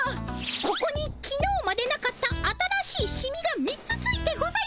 ここにきのうまでなかった新しいシミが３つついてございます。